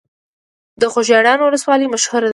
د خوږیاڼیو ولسوالۍ مشهوره ده